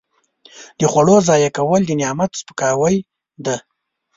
د خوړو ضایع کول د نعمت سپکاوی دی.